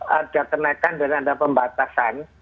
harga ternaikkan dan ada pembatasan